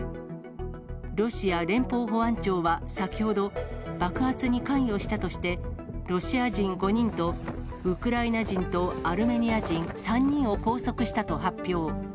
ロシア連邦保安庁は先ほど、爆発に関与したとして、ロシア人５人と、ウクライナ人とアルメニア人３人を拘束したと発表。